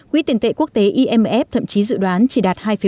quỹ tiền tệ quốc tế imf thậm chí dự đoán chỉ đạt hai năm